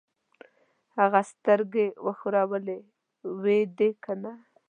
هغه سترګۍ وښورولې: وي دې کنه؟